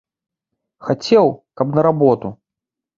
Хацеў, каб на работу.